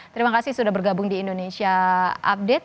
terima kasih sudah bergabung di indonesia update